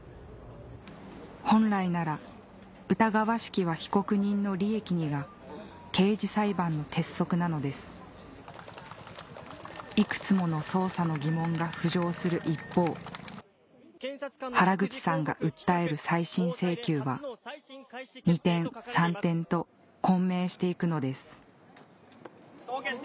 本来なら「疑わしきは被告人の利益に」が刑事裁判の鉄則なのです幾つもの捜査の疑問が浮上する一方原口さんが訴える再審請求は二転三転と混迷していくのです不当決定！